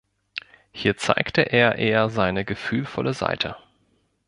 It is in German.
Hier zeigte er eher seine gefühlvolle Seite.